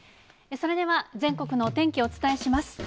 それでは、全国のお天気をお伝えします。